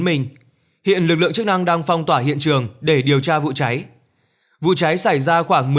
mình hiện lực lượng chức năng đang phong tỏa hiện trường để điều tra vụ cháy vụ cháy xảy ra khoảng